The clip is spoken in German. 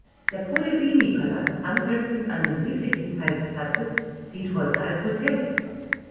Der Polesini-Palast, angrenzend an den südlichen Teil des Platzes, dient heute als Hotel.